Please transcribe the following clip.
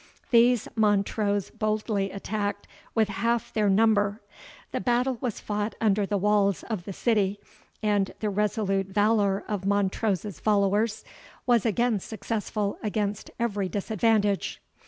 These Montrose boldly attacked with half their number. The battle was fought under the walls Of the city, and the resolute valour of Montrose's followers was again successful against every disadvantage.